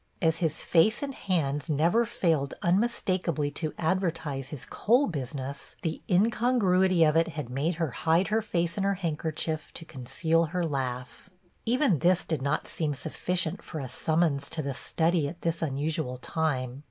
As his face and hands never failed unmistakably to advertise his coal business, the incongruity of it had made her hide her face in her handkerchief to conceal her laugh. Even this did not seem sufficient for a summons to the study at this unusual time.